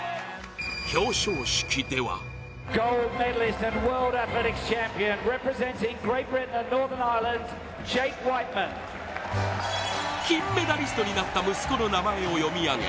表彰式では金メダリストになった息子の名前を読み上げ